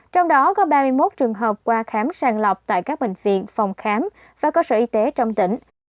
trong đó có ba mươi một trường hợp qua khám sàng lọc tại các bệnh viện phòng khám và cơ sở y tế trong tỉnh